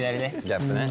ギャップね。